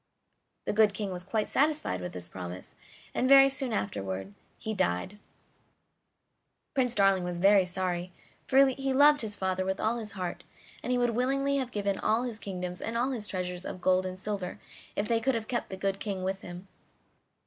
The good King was quite satisfied with this promise; and very soon afterward he died. Prince Darling was very sorry, for he loved his father with all his heart, and he would willingly have given all his kingdoms and all his treasures of gold and silver if they could have kept the good King with him.